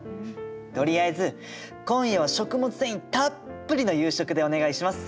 とりあえず今夜は食物繊維たっぷりの夕食でお願いします！